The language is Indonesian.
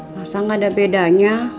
masa gak ada bedanya